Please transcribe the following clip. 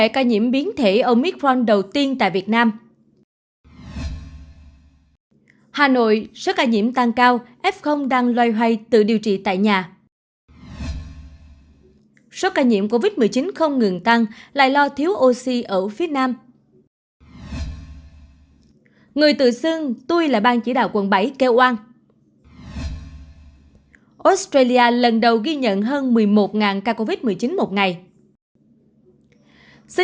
các bạn hãy đăng ký kênh để ủng hộ kênh của chúng mình nhé